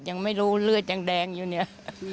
ยังไม่รู้เลือดยังแดงอยู่เนี่ย